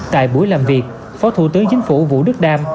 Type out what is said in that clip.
tại buổi làm việc phó thủ tướng chính phủ vũ đức đam